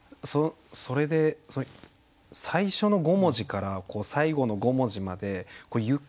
それで最初の５文字から最後の５文字までゆっくりこう。